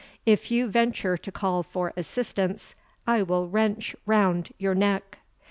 If you venture to call for assistance, I will wrench round your neck."